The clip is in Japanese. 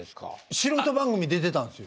素人番組出てたんですよ。